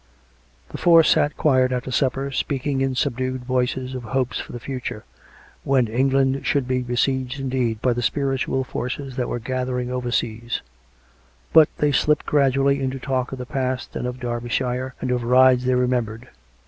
COME RACK! COME ROPE! 177 The four sat quiet after supper, speaking in subdued voices, of hopes for the future, when England should be besieged, indeed, by the spiritual forces that were gather ing overseas; but they slipped gradually into talk of the past and of Derbyshire, and of rides they remembered.